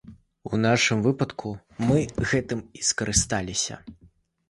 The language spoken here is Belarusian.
У нашым выпадку мы гэтым і скарысталіся.